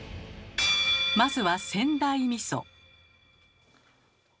まずは仙台みそ。